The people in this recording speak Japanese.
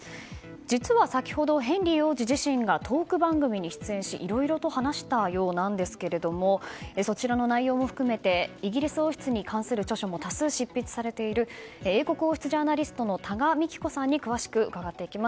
実は先ほどヘンリー王子自身がトーク番組に出演しいろいろと話したようなんですけどそちらの内容も含めてイギリス王室に関する著書も多数執筆されている英国王室ジャーナリストの多賀幹子さんに詳しく伺っていきます。